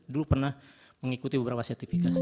dulu pernah mengikuti beberapa sertifikasi